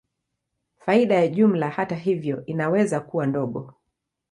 Faida ya jumla, hata hivyo, inaweza kuwa ndogo.